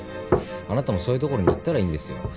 あなたもそういう所に行ったらいいんですよ。